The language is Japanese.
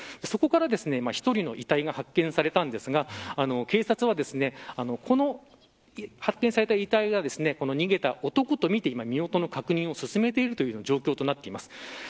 そこから１人の遺体が発見されたんですが警察はこの発見された遺体が逃げた男とみて今、身元の確認を進めている状況となっています。